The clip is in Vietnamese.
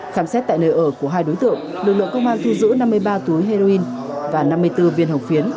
khám xét tại nơi ở của hai đối tượng lực lượng công an thu giữ năm mươi ba túi heroin và năm mươi bốn viên hồng phiến